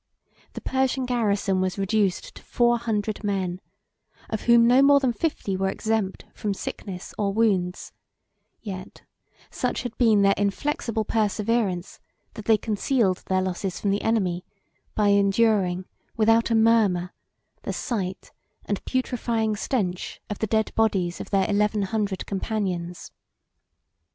The Persian garrison was reduced to four hundred men, of whom no more than fifty were exempt from sickness or wounds; yet such had been their inflexible perseverance, that they concealed their losses from the enemy, by enduring, without a murmur, the sight and putrefying stench of the dead bodies of their eleven hundred companions.